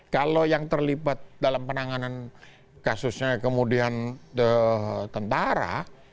kalau yang terlibat dalam penanganan kasusnya kemudian tentara